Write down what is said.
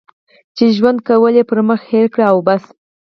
چې ژوند کول یې پر مخ هېر کړي او بس.